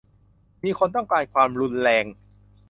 - มีคนต้องการความรุนแรง